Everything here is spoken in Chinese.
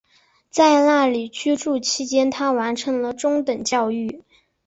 在那里居住期间她完成了中等教育。